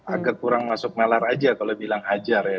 agar kurang masuk malar aja kalau bilang hajar ya